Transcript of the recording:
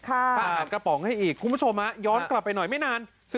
อาหารกระป๋องให้อีกคุณผู้ชมย้อนกลับไปหน่อยไม่นาน